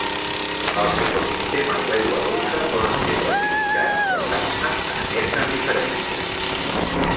Els ecosistemes d'aigua dolça poden ser classificats basant-se en aquestes diferències.